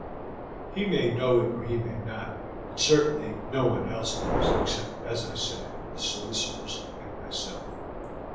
He may know it or he may not, but certainly no one else does, except, as I say, the solicitors and myself.